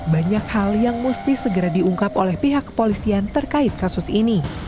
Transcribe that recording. banyak hal yang mesti segera diungkap oleh pihak kepolisian terkait kasus ini